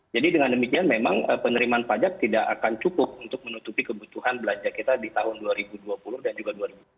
jadi dengan demikian memang penerimaan pajak tidak akan cukup untuk menutupi kebutuhan belanja kita di tahun dua ribu dua puluh dan juga dua ribu dua puluh satu